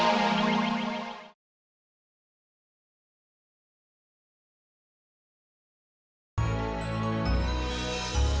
kanda akan koleksi baju belakangnya